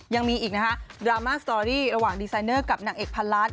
ยังมีอีกนะคะดราม่าสตอรี่ระหว่างดีไซเนอร์กับนางเอกพันล้าน